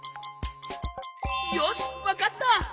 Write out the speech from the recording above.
よしわかった！